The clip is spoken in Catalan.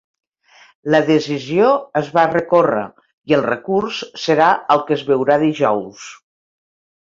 La decisió es va recórrer, i el recurs serà el que es veurà dijous.